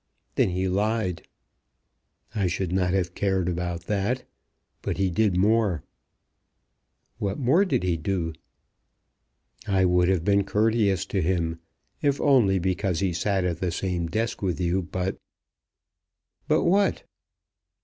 "Then he lied." "I should not have cared about that; but he did more." "What more did he do?" "I would have been courteous to him, if only because he sat at the same desk with you; but " "But what?"